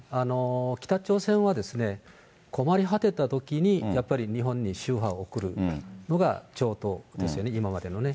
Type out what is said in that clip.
北朝鮮は困り果てたときに、やっぱり日本に秋波を送るのが常とうなんですよね、今までのね。